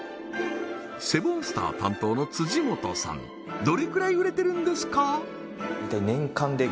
セボンスター担当の辻本さんどれくらい売れてるんですか？